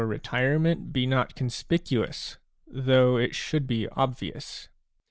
retirement be not conspicuous, though it should be obvious.